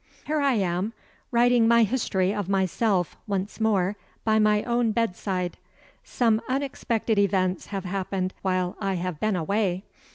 Here I am, writing my history of myself, once more, by my own bedside. Some unexpected events have happened while I have been away.